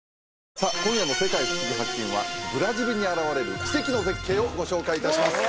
さあ今夜の「世界ふしぎ発見！」はブラジルに現れる奇跡の絶景をご紹介いたします